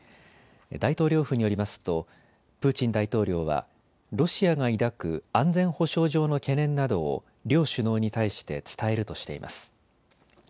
大統領府によりますとプーチン大統領はロシアが抱く安全保障上の懸念などを両首脳に対して伝えるとしています。